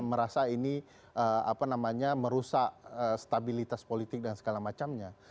merasa ini apa namanya merusak stabilitas politik dan segala macamnya